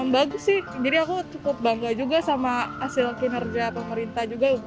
bagus sih jadi aku cukup bangga juga sama hasil kinerja pemerintah juga